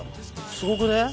すごくね？